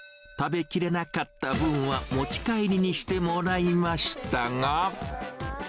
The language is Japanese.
食べきれなかった分は持ち帰りにしてもらいましたが。